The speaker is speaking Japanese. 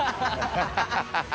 ハハハ